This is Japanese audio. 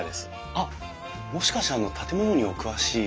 あっもしかしてあの建物にお詳しい。